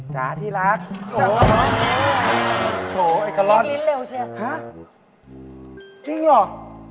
จ๋าที่รักโถ่โถ่ไอ้กล้อนหาจริงหรอ